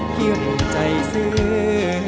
คิดใจซื้อ